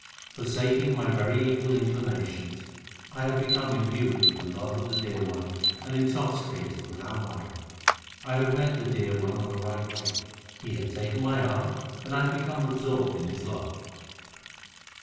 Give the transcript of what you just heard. Forsaking my very evil inclinations, I have become imbued with the love of the Dear One and intoxicated without wine. I have met the Dear One on the right way ; He hath taken my arm, and I have become absorbed in His love.